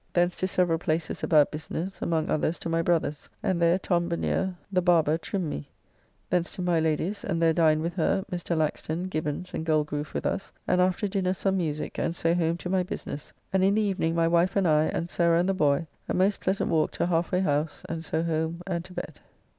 Thence to several places about business, among others to my brother's, and there Tom Beneere the barber trimmed me. Thence to my Lady's, and there dined with her, Mr. Laxton, Gibbons, and Goldgroove with us, and after dinner some musique, and so home to my business, and in the evening my wife and I, and Sarah and the boy, a most pleasant walk to Halfway house, and so home and to bed.